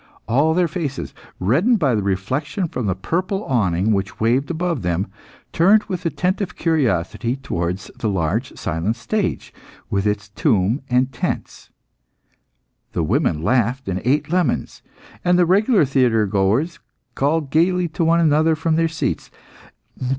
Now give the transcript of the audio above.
All their faces, reddened by the reflection from the purple awning which waved above them, turned with attentive curiosity towards the large, silent stage, with its tomb and tents. The women laughed and ate lemons, and the regular theatre goers called gaily to one another from their seats.